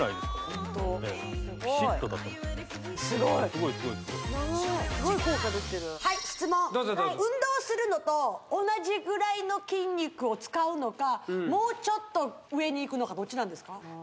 すごいすごい効果出てるはい質問運動するのと同じぐらいの筋肉を使うのかもうちょっと上にいくのかどっちなんですか？